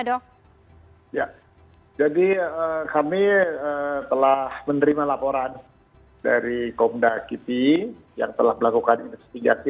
ya jadi kami telah menerima laporan dari komda kipi yang telah melakukan investigasi